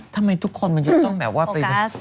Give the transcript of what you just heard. ทำไมทุกคนมันจะต้องแบบว่าไปวุ่นวาย